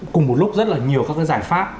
cùng một lúc rất là nhiều các cái giải pháp